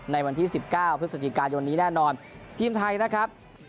ในวันที่สิบเก้าพฤษจิการยังวันนี้แน่นอนทีมไทยนะครับ